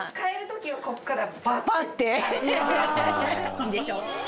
いいでしょう？